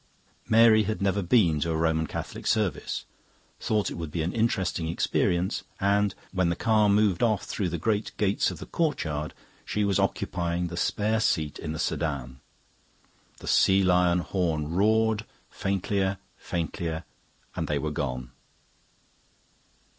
Mary had never been to a Roman Catholic service, thought it would be an interesting experience, and, when the car moved off through the great gates of the courtyard, she was occupying the spare seat in the sedan. The sea lion horn roared, faintlier, faintlier, and they were gone.